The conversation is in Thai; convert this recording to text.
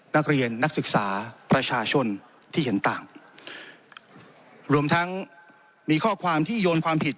นักเรียนนักศึกษาประชาชนที่เห็นต่างรวมทั้งมีข้อความที่โยนความผิด